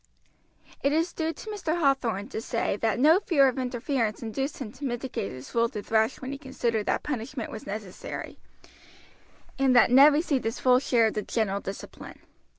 It is due to Mr. Hathorn to say that no fear of interference induced him to mitigate his rule to thrash when he considered that punishment was necessary, and that Ned received his full share of the general discipline.